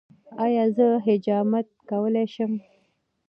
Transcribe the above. ایا زه حجامت کولی شم؟